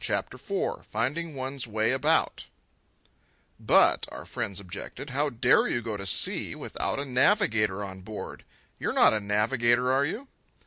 CHAPTER IV FINDING ONE'S WAY ABOUT "But," our friends objected, "how dare you go to sea without a navigator on board? You're not a navigator, are you?"